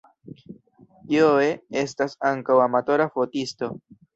Joe estas ankaŭ amatora fotisto.